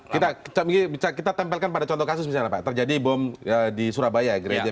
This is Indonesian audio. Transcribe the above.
kita kita tempelkan pada contoh kasus misalnya apa terjadi bom di surabaya ya